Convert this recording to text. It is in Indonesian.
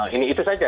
ini itu saja